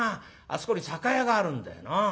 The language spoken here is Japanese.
そこに酒屋があるんだよな。